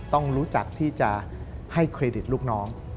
ต้องรู้จักที่จะให้เครดิตลูกน้อง